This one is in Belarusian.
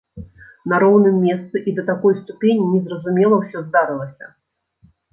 На роўным месцы і да такой ступені незразумела ўсё здарылася!